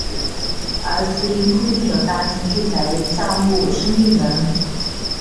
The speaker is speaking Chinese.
而毗邻附近有大型住宅项目升御门。